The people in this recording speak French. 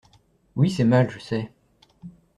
Oui c'est mal je sais.